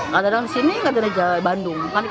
kadang kadang di sini kadang kadang di bandung